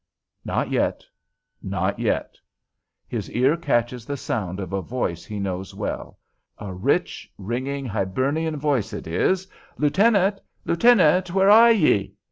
Not yet; not yet. His ear catches the sound of a voice he knows well, a rich, ringing, Hibernian voice it is: "Lieutenant, lieutenant! Where are ye?"